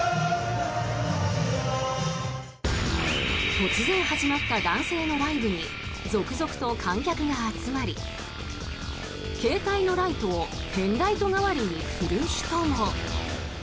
突然始まった男性のライブに続々と観客が集まり携帯のライトをペンライト代わりに振る人も。